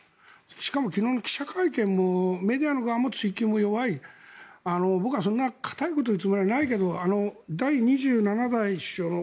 しかも昨日の記者会見もメディアの側も追及も弱い僕はそんな固いこと言うつもりはないけど第２７代首相の